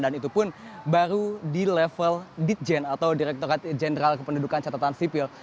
dan itu pun baru di level ditjen atau direkturat jenderal kependudukan catatan sipil